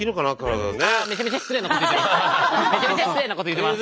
めちゃめちゃ失礼なこと言ってます。